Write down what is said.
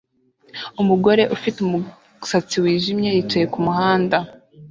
Umugore ufite umusatsi wijimye yicaye kumuhanda